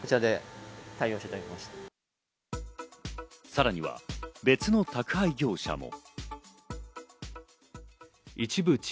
さらには別の宅配業者も。